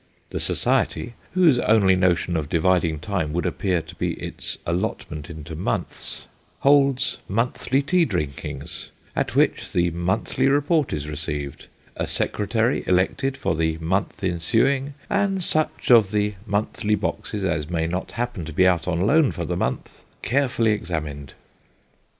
The society (whose only notion of dividing time, would appear to bo its allotment into months) holds monthly tea drinkings, at which the monthly report is received, a secretary elected for the month ensuing, and such of the monthly boxes as may not happen to be out on loan for the month, carefully examined.